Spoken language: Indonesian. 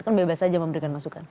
kan bebas saja memberikan masukan